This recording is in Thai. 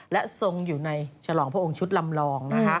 และทรงอยู่ในฉลองพระองค์ชุดลำลอง